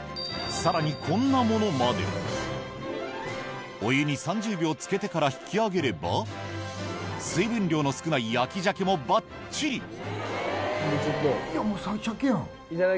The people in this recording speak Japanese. さらにこんなものまでお湯に３０秒つけてから引き上げれば水分量の少ない焼き鮭もばっちりじゃあちょっと。